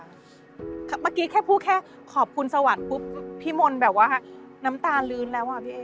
เมื่อกี้แค่พูดแค่ขอบคุณสวรรค์ปุ๊บพี่มนต์แบบว่าน้ำตาลื้นแล้วอ่ะพี่เอ๊